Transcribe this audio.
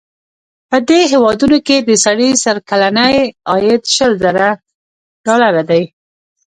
په دې هېوادونو کې د سړي سر کلنی عاید شل زره ډالره دی.